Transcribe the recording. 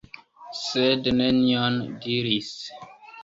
Sed nenion diris.